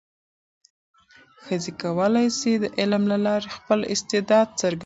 ښځې کولای شي د علم له لارې خپل استعداد څرګند کړي.